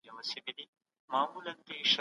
دا يې بيا، بيا هيــله وكړي